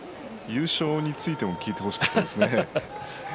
優勝についても聞いてほしかったですね。